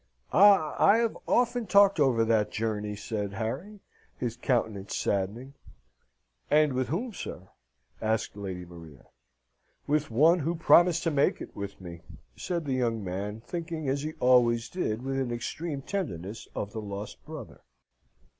"Ah! I have often talked over that journey," said Harry, his countenance saddening. "And with whom, sir?" asked Lady Maria. "With one who promised to make it with me," said the young man, thinking, as he always did, with an extreme tenderness of the lost brother.